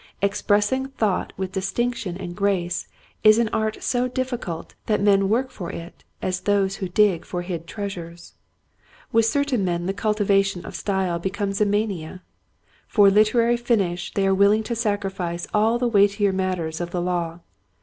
Expressing thought with distinction and grace is an art so difficult that men work for it as those who dig for hid treasures. With certain men the cultivation of style be comes a mania. For literary finish they are willing to sacrifice all the weightier matters of the law.